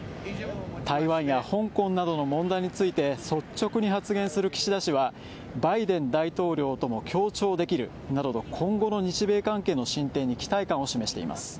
台湾や香港などの問題について率直に発言する岸田氏は、バイデン大統領とも協調できるなどと今後の日米関係の進展に期待感を示しています。